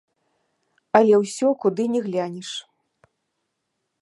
Але ўсё, куды ні глянеш.